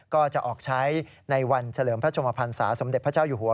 ก็จะออกใช้ในวันเฉลิมพระชมพันศาสมเด็จพระเจ้าอยู่หัว